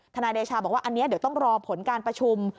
นายเดชาบอกว่าอันนี้เดี๋ยวต้องรอผลการประชุม